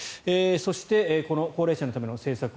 そして、高齢者のための政策